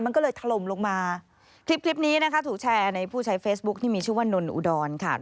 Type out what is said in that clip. มันก็เลยถล่มลงมาคลิปคลิปนี้นะคะถูกแชร์ในผู้ใช้เฟซบุ๊คที่มีชื่อว่านนอุดรค่ะ